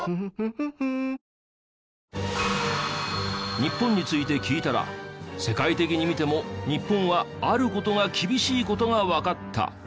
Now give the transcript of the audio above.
日本について聞いたら世界的に見ても日本はある事が厳しい事がわかった。